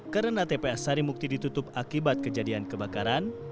karena tpa sarimukti ditutup akibat kejadian kebakaran